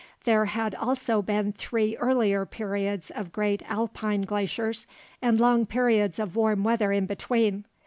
There had also been three earlier periods of great alpine glaciers, and long periods of warm weather in between.